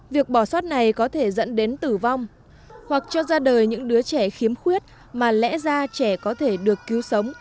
việc bỏ sót này có thể dẫn đến tử vong hoặc cho ra đời những đứa trẻ khiếm khuyết mà lẽ ra trẻ có thể được cứu sống